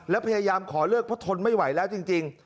แล้วพยายามขอเลิกเพราะทนไม่ไหวแล้วจริง